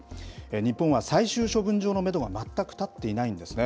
日本は最終処分場のメドが全く立っていないんですね。